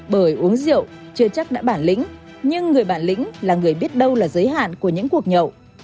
bởi uống rượu chưa chắc đã bản lĩnh nhưng người bản lĩnh là người biết đâu là giới hạn của những cuộc nhậu